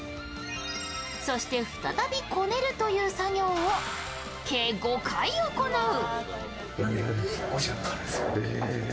そして再びこねるという作業を計５回行う。